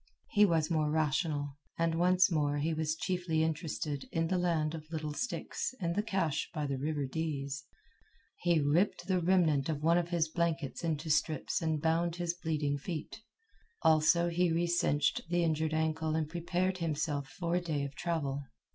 He was more rational, and once more he was chiefly interested in the land of little sticks and the cache by the river Dease. He ripped the remnant of one of his blankets into strips and bound his bleeding feet. Also, he recinched the injured ankle and prepared himself for a day of travel.